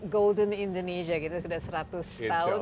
golden indonesia kita sudah seratus tahun